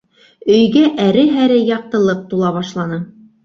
Өйгә әре-һәре яҡтылыҡ тула башланы.